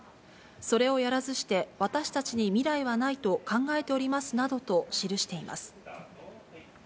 それをやらずして、私たちに未来はないと考えておりますなどと記しています。